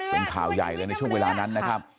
เป็นข่าวใหญ่เลยในช่วงเวลานั้นนะครับ